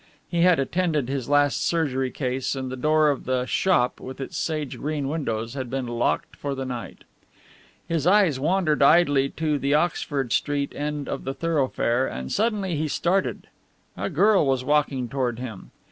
He had attended his last surgery case and the door of the "shop," with its sage green windows, had been locked for the night. His eyes wandered idly to the Oxford Street end of the thoroughfare, and suddenly he started. A girl was walking toward him.